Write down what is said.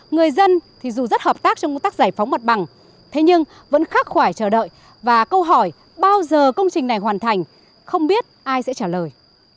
người dân thì dù rất hợp tác trong công tác giải phóng mặt bằng thế nhưng vẫn khắc khoải chờ đợi và câu hỏi bao giờ công trình này hoàn thành không biết ai sẽ trả lời